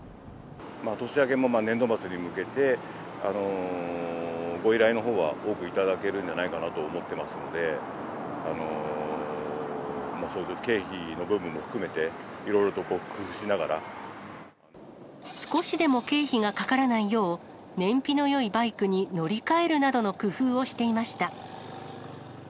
年明けも年度末に向けて、ご依頼のほうは多く頂けるんじゃないかなと思っていますので、経費の部分も含めて、少しでも経費がかからないよう、燃費のよいバイクに乗り換えるなどの工夫をしていました。